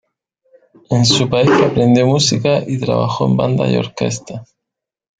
En su país aprendió música y trabajó en bandas y orquestas.